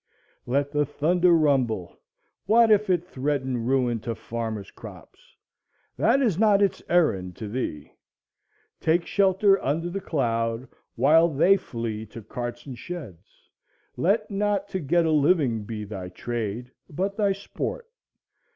Let the thunder rumble; what if it threaten ruin to farmers' crops? that is not its errand to thee. Take shelter under the cloud, while they flee to carts and sheds. Let not to get a living be thy trade, but thy sport.